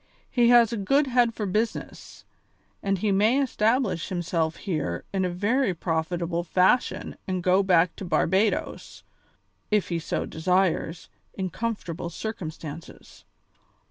He has a good head for business, and he may establish himself here in a very profitable fashion and go back to Barbadoes, if he so desires, in comfortable circumstances.